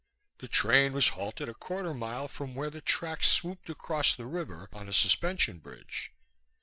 The train was halted a quarter mile from where the tracks swooped across the river on a suspension bridge.